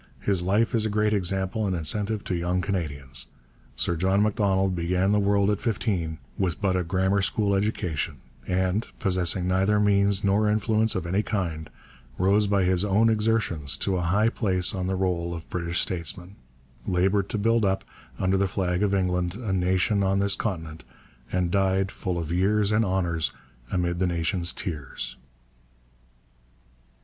His life is a great example and incentive to young Canadians. Sir John Macdonald began the world at fifteen, with but a grammar school education; and, possessing neither means nor influence of any kind, rose by his own exertions to a high place on the roll of British statesmen; laboured to build up, under the flag of England, a nation on this continent; and died full of years and honours, amid the nation's tears.